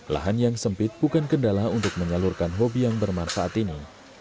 lahan yang sempit bukan kendala untuk menyalurkan hobi yang bermanfaat ini